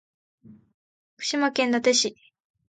福島県伊達市